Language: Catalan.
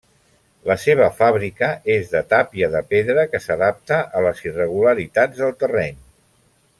La seva fàbrica és de tàpia de pedra, que s'adapta a les irregularitats del terreny.